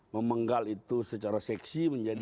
memenggal itu secara seksi menjadi